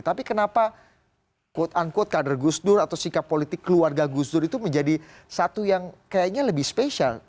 tapi kenapa quote unquote kader gus dur atau sikap politik keluarga gus dur itu menjadi satu yang kayaknya lebih spesial